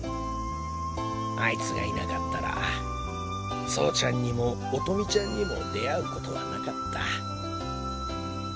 あいつがいなかったら走ちゃんにも音美ちゃんにも出会うことはなかった。